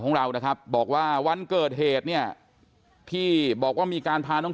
ของเรานะครับบอกว่าวันเกิดเหตุเนี่ยที่บอกว่ามีการพาน้อง